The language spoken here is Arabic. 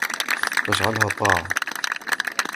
فَاجْعَلْهَا طَاعَةً